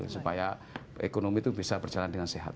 supaya ekonomi itu bisa berjalan dengan sehat